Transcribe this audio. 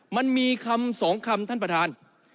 มันมีคำสองคำท่านประธาน